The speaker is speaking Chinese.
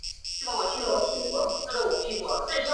卵叶糙苏为唇形科糙苏属下的一个变种。